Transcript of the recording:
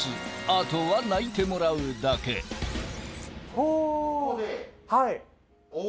あとは泣いてもらうだけはい。